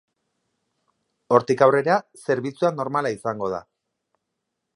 Hortik aurrera, zerbitzua normala izango da.